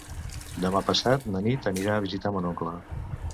Demà passat na Nit anirà a visitar mon oncle.